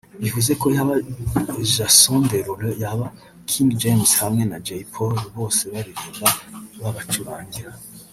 bivuze ko yaba Jason Derulo yaba King James hamwe na Jay Polly bose baririmba babacurangira